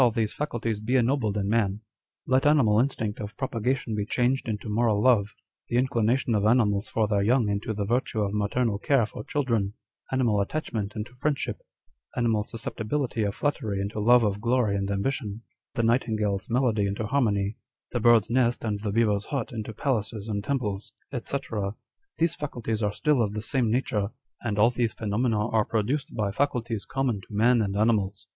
these faculties be ennobled in man : let animal instinct of propagation be changed into moral love ; the inclination of animals for their young into the virtue of maternal care for children; animal attachment into friendship; animal susceptibility of flattery into love of glory and ambition ; the nightingale's melody into harmony ; the bird's nest and the beaver's hut into palaces and temples, &c. : these faculties are still of the same nature, and all these phenomena are produced by faculties common to man and animals.